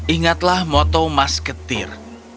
ingatlah motto masketir